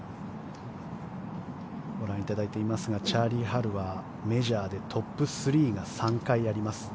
ご覧いただいていますがチャーリー・ハルはメジャーでトップ３が３回あります。